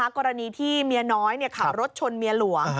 กรณีที่เมียน้อยขับรถชนเมียหลวง